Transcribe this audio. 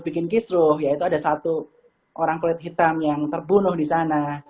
bikin kisruh yaitu ada satu orang kulit hitam yang terbunuh di sana